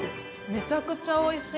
めちゃめちゃおいしい。